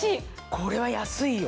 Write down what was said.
これは安いよ。